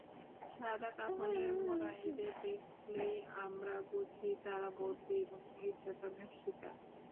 সাদা কাফনে মোড়া এঁদের দেখেই আমরা বুঝি—তাঁরা বন্দী এবং নির্যাতনের শিকার।